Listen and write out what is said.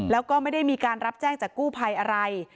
แล้วก็ไม่ได้มีการรับแจ้งจากกู้ภัยอะไร